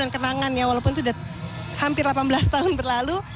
dan kenangannya walaupun itu sudah hampir delapan belas tahun berlalu